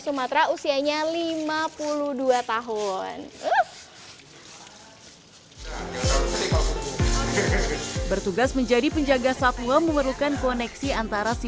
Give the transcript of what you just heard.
sumatera usianya lima puluh dua tahun bertugas menjadi penjaga satwa memerlukan koneksi antara si